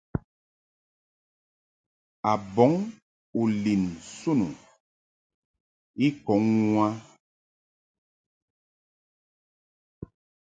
A bɔŋ u lin nsun u I kɔŋ u a.